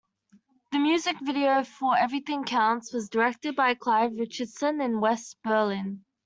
The music video for "Everything Counts" was directed by Clive Richardson in West Berlin.